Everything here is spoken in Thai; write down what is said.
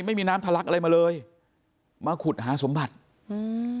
ไม่มีน้ำทะลักอะไรมาเลยมาขุดหาสมบัติอืม